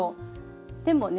でもね